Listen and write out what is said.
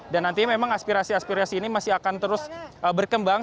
dan nanti memang aspirasi aspirasi ini masih akan terus berkembang